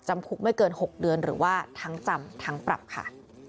คุกไม่เกิน๖เดือนหรือว่าทั้งจำทั้งปรับค่ะ